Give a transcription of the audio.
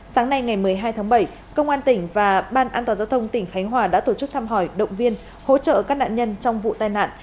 sáng nay ngày một mươi hai tháng bảy công an tỉnh và ban an toàn giao thông tỉnh khánh hòa đã tổ chức thăm hỏi động viên hỗ trợ các nạn nhân trong vụ tai nạn